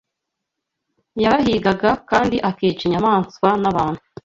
yarahigaga kandi akica inyamaswa n’abantu.